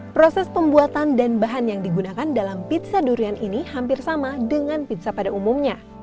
proses pembuatan dan bahan yang digunakan dalam pizza durian ini hampir sama dengan pizza pada umumnya